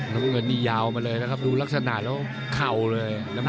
น้ำเงินนี่ยาวมาเลยนะครับดูลักษณะแล้วเข่าเลย